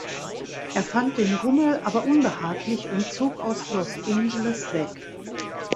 Er fand den Rummel aber unbehaglich und zog aus Los Angeles weg.